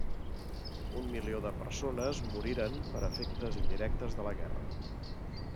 Un milió de persones moriren per efectes indirectes de la guerra.